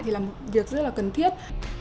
thì là một việc rất là cần thiết